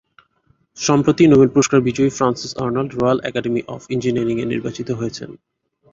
সম্প্রতি, নোবেল পুরস্কার বিজয়ী Frances Arnold Royal Academy of Engineering -এ নির্বাচিত হয়েছেন।